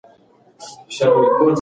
حیوانات د وچو پاڼو په لټه کې ګرځي.